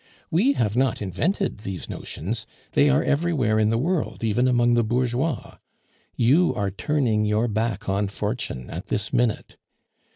WE have not invented these notions; they are everywhere in the world, even among the burgeois. You are turning your back on fortune at this minute.